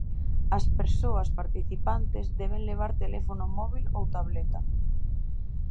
As persoas participantes deben levar teléfono móbil ou tableta.